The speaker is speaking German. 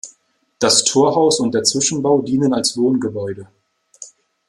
Das Torhaus und der Zwischenbau dienen als Wohngebäude.